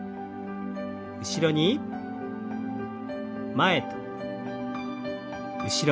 前と後ろに。